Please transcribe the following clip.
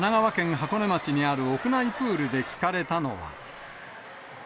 箱根町にある屋内プールで聞かれたのは。